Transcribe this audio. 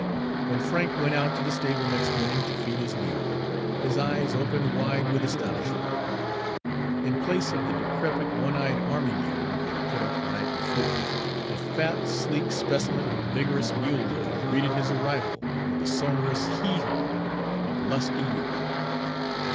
When Frank went out to the stable next morning to feed his mule, his eyes opened wide with astonishment. In place of the decrepit, one eyed army mule he had put up the night before, a fat, sleek specimen of vigorous mulehood greeted his arrival with the sonorous hehaw of lusty youth.